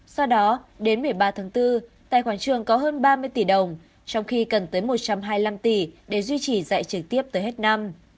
sau đó đến một mươi ba tháng bốn tài khoản trường có hơn ba mươi tỷ đồng trong khi cần tới một trăm hai mươi năm tỷ để duy trì dạy trực tiếp tới hết năm